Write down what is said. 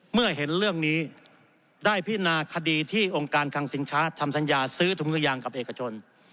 เมื่อเห็นเรื่องนี้ได้พินาคดีที่องค์การคังสินค้าทำสัญญาซื้อถุงยางกับเอกชน